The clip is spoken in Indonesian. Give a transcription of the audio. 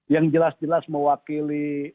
yang jelas jelas mewakili